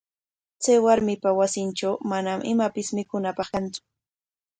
Chay warmipa wasintraw manam imapis mikuyaananpaq kantsu.